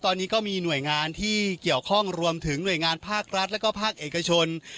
ตอนนี้ก็มีหน่วยงานที่เกี่ยวข้องรวมถึงหน่วยงานภาครัฐแล้วก็ภาคเอกชน